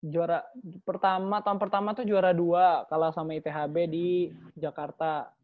juara pertama tahun pertama itu juara dua kalah sama ithb di jakarta